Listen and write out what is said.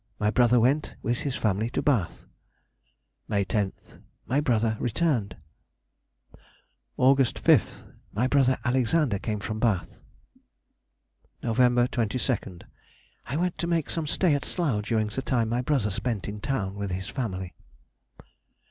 My brother went, with his family, to Bath. May 10th.—My brother returned. August 5th.—My brother Alexander came from Bath. November 22nd.—I went to make some stay at Slough during the time my brother spent in town with his family.